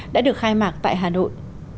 đã được khai mạc tại hà nội